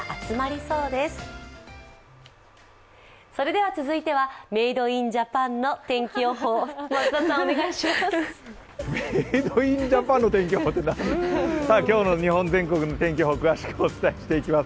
それでは続いてはメイド・イン・ジャパンの天気予報、増田さんお願いします。